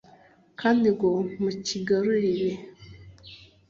kandi ngo mucyigarurire